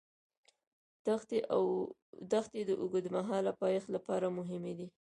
دښتې د اوږدمهاله پایښت لپاره مهمې دي.